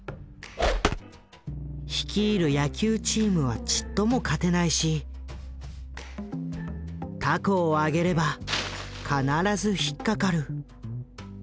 率いる野球チームはちっとも勝てないし凧を揚げれば必ず引っ掛かる。